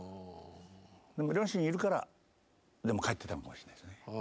両親いるから帰ってたのかもしれないですね。